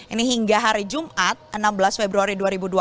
ini hingga hari jumat enam belas februari dua ribu dua puluh